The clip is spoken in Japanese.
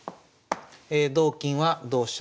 同金は同飛車